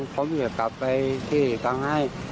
ผมกำลังกลับไปที่กลางไห้